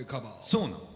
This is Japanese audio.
そうなの。